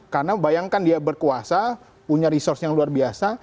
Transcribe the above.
karena bayangkan dia berkuasa punya resource yang luar biasa